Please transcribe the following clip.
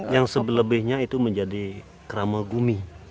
yang selebihnya itu menjadi kerama gumi